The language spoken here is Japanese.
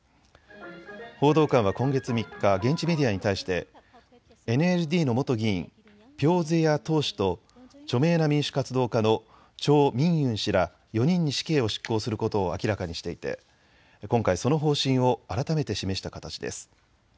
報道官は今月３日、現地メディアに対してＮＬＤの元議員、ピョー・ゼヤー・トー氏と著名な民主活動家のチョー・ミン・ユ氏ら４人に死刑を執行することを明らかにしていて今回その方針を改めて示した形です。